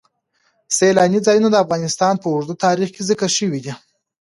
سیلانی ځایونه د افغانستان په اوږده تاریخ کې ذکر شوی دی.